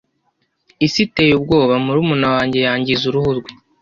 isi iteye ubwoba murumuna wanjye yangiza uruhu rwe